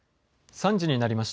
３時になりました。